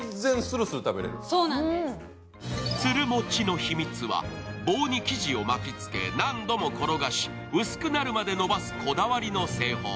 つるもちの秘密は、棒に生地を巻きつけ、何度も転がし、薄くなるまでのばすこだわりの製法。